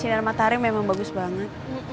sinar matahari memang bagus banget